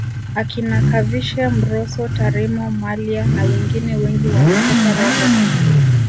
Akina Kavishe Mrosso Tarimo Mallya nawengine wengi wanatoka Rombo